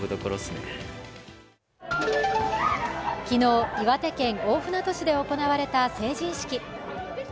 昨日、岩手県大船渡市で行われた成人式。